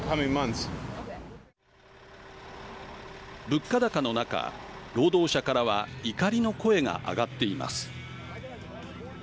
物価高の中、労働者からは怒りの声が上がっています。